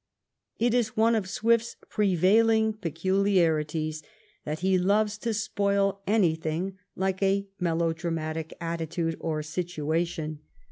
It is one of Swift's prevailing peculiarities that he loves to spoil anything like a melodramatic attitude or situation.